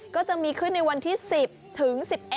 ก็จะมีขึ้นในวันที่๑๐ถึง๑๑